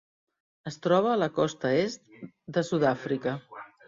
Es troba a la costa est de Sud-àfrica.